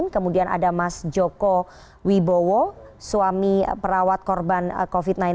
kemudian ada mas joko wibowo suami perawat korban covid sembilan belas